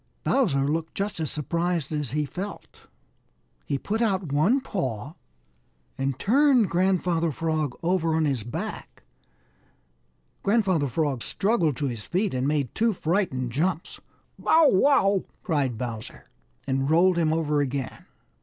Bowser looked just as surprised as he felt. He put out one paw and turned Grandfather Frog over on his back. Grandfather Frog struggled to his feet and made two frightened jumps. "Bow, wow!" cried Bowser and rolled him over again.